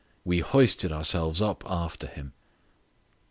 We hoisted ourselves up after him.